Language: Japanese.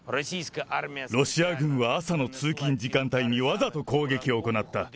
ロシア軍は朝の通勤時間帯にわざと攻撃を行った。